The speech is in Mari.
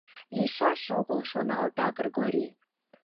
«Лийшаш огыл, — шоналта Кыргорий.